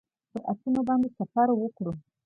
پر آسونو باندې سفر وکړو.